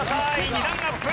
２段アップ！